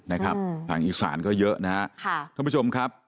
ทางอีกศาลก็เยอะท่านผู้ชมครับ